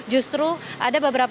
justru ada beberapa